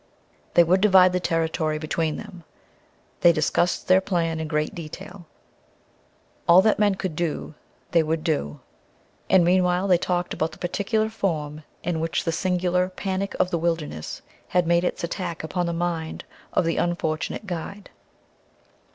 They would divide the territory between them. They discussed their plan in great detail. All that men could do they would do. And, meanwhile, they talked about the particular form in which the singular Panic of the Wilderness had made its attack upon the mind of the unfortunate guide.